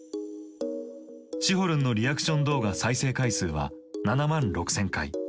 シホるんのリアクション動画再生回数は７万６，０００回